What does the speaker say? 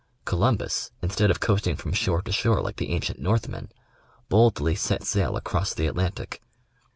Columbus instead of coast ing from shore to shore like the ancient Northmen, boldly set sail across the Atlantic.